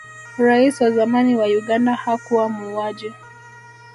rais wa zamani wa uganda hakuwa muuaji